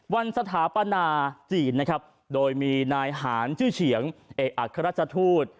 วันสถาปนาจีนโดยมีนายหารชื่อเฉียงเอกอักราชทูต